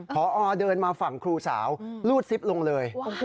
พอเดินมาฝั่งครูสาวรูดซิปลงเลย